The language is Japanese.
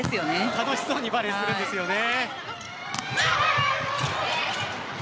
楽しそうにバレーするんですよね。